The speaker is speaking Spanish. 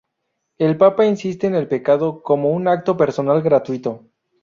El Papa insiste en el pecado como un acto personal gratuito.